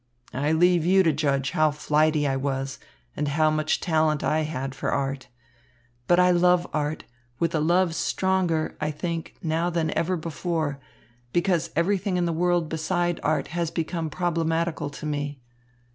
I leave you to judge how flighty I was and how much talent I had for art. But I love art, with a love stronger, I think, now than ever before, because everything in the world beside art has become problematical to me.